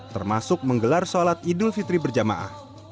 termasuk menggelar sholat idul fitri berjamaah